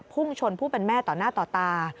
พุ่งชนผู้เป็นแม่ต่อหน้าต่อตา